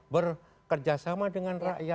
berkerjasama dengan rakyat